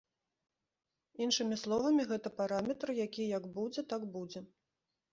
Іншымі словамі, гэта параметр, які як будзе, так будзе.